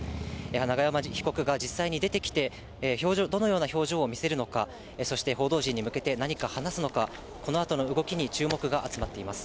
永山被告が実際に出てきて、どのような表情を見せるのか、そして報道陣に向けて何か話すのか、このあとの動きに注目が集まっています。